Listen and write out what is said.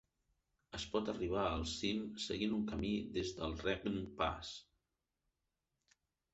Es pot arribar al cim seguint un camí des del Renggpass.